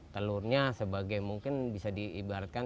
telurnya sebagai mungkin bisa diibaratkan